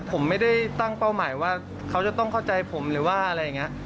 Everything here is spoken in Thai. ผมไม่ได้ตั้งเป้าหมายว่าเขาจะต้องเข้าใจผมหรือว่าอะไรอย่างนี้